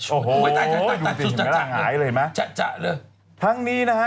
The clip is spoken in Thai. โอ้โหดูสิเห็นไหมหายเลยเห็นไหมทั้งนี้นะฮะ